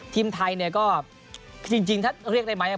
ทีมไทยเนี่ยก็จริงถ้าเรียกได้ไหม